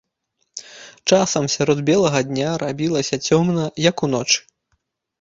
Часам сярод белага дня рабілася цёмна, як уночы.